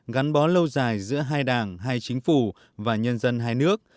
gắn bó lâu dài giữa hai đảng hai chính phủ và nhân dân hai nước